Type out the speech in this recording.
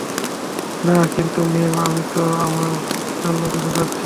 না, কিন্তু ম্যাম, আমি তো আমার জন্য কিছু চাচ্ছি না।